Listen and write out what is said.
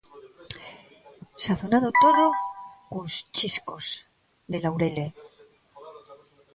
Sazonado todo cuns chiscos de Laurelle.